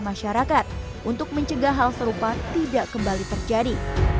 masyarakat untuk mencegah hal serupa tidak kembali terjadi